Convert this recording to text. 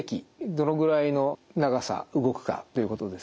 どのぐらいの長さ動くかということですね。